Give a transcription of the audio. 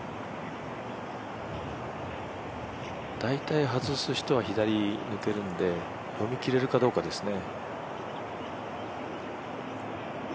大体外す人は左に抜けるので読み切れるかどうかですね。